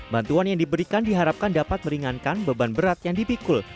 bantuan yang diberikan diharapkan dapat meringankan beban berat yang dipikul